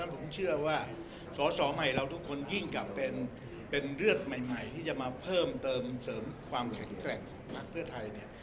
ผมเชื่อว่าสอสอใหม่เราทุกคนยิ่งกลับเป็นเลือดใหม่ที่จะมาเพิ่มเติมเสริมความแข็งแกร่งของพักเพื่อไทยเนี่ย